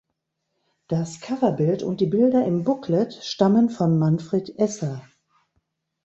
Das Coverbild und die Bilder im Booklet stammen von Manfred Esser.